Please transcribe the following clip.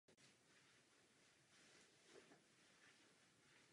Jedny velké varhany nad vchodem a malé varhany na jižním konci příčné lodi.